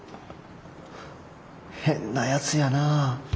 変なやつやなぁ。